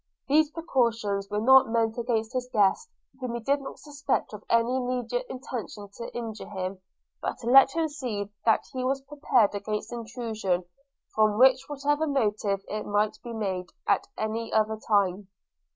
These precautions were not meant against his guest, whom he did not suspect of any immediate intention to injure him, but to let him see that he was prepared against intrusion, from whatever motive it might be made, at any other time.